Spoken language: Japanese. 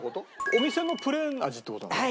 お店のプレーン味って事なの？